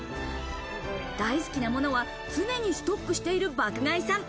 大好きなものは常にストックしている爆買いさん。